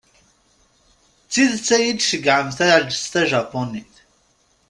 D tidet ad yi-d-tceyyɛem taɛelǧett tajapunit?